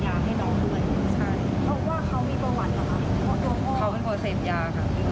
เขาเป็นคนเสพยาค่ะเป็นคนเสพยา